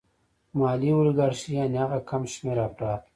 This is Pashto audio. مالي الیګارشي یانې هغه کم شمېر افراد